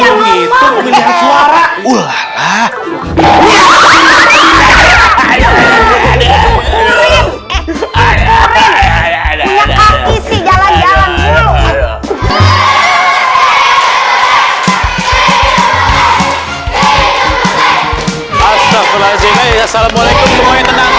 assalamualaikum semuanya tenang